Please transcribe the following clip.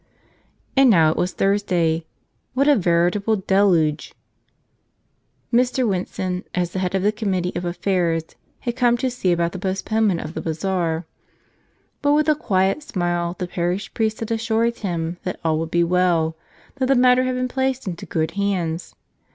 And now it was Thursday. What a veritable deluge ! Mr. Winson, as the head of the committee of affairs, had come to see about the postponement of the bazaar. But with a quiet smile the parish priest had assured him that all would be well, that the matter had been placed into good hands.